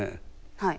はい。